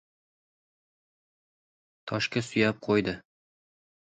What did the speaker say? Toshga suyab qo‘ydi.